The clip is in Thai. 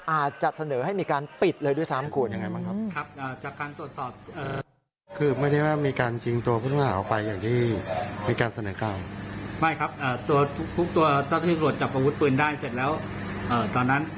อาจจะเสนอให้มีการปิดเลยด้วยซ้ำคุณ